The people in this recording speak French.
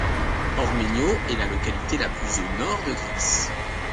Orménio est la localité la plus au nord de Grèce.